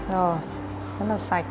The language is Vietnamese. rồi rất là sạch